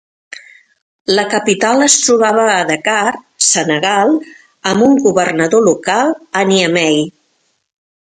La capital es trobava a Dakar, Senegal, amb un governador local a Niamey.